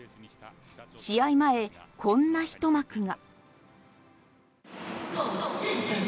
試合前こんな一幕が。